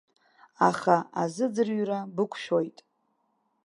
Аха азыӡрыҩра бықәшәоит!